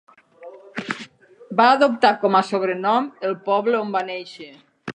Va adoptar com a sobrenom el poble on va néixer.